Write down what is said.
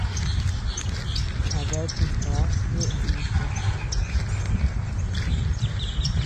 A bea tika ñeʼe biku.